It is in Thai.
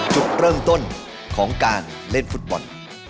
จุดเริ่มต้นของการเล่นฟุตบอล